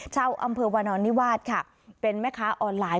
ชาวอำเภอวานอนนิวาสค่ะเป็นแม่ค้าออนไลน์